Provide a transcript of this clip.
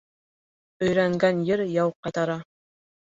Өйрәнгән ер яу ҡайтара.